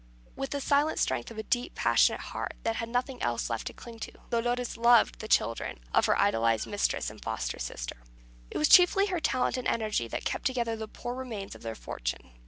With the silent strength of a deep, passionate heart, that had nothing else left to cling to, Dolores loved the children of her idolized mistress and foster sister. It was chiefly her talent and energy that kept together the poor remains of their fortune.